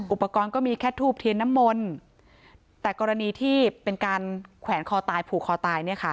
ก็มีแค่ทูบเทียนน้ำมนต์แต่กรณีที่เป็นการแขวนคอตายผูกคอตายเนี่ยค่ะ